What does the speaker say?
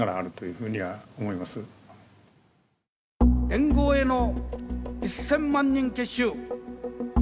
連合への１０００万人結集。